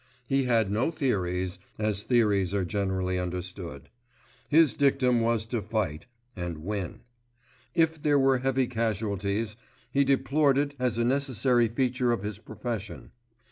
He had no theories, as theories are generally understood. His dictum was to fight—and win. If there were heavy casualties, he deplored it as a necessary feature of his profession.